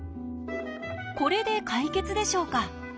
これで解決でしょうか？